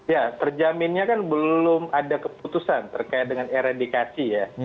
ya terjaminnya kan belum ada keputusan terkait dengan eredikasi ya